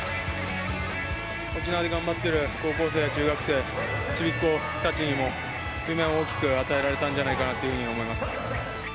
沖縄で頑張ってる高校生や中学生、ちびっ子たちにも、夢を大きく与えられたんじゃないかなと思います。